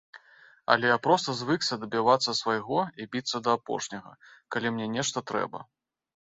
Але я проста звыкся дабівацца свайго і біцца да апошняга, калі мне нешта трэба.